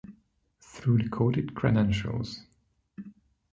Through the quoted credentials.